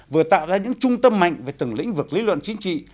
vừa tạo ra những trung tâm mạnh về từng lĩnh vực lý luận chính trị